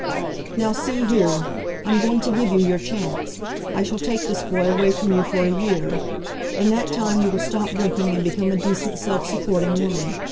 "Now see here; I'm going to give you your chance. I shall take this boy away from you for a year. In that time you will stop drinking and become a decent, self supporting woman.